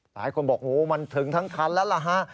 หลายคนบอกมันถึงทั้งคันแล้วล่ะฮะ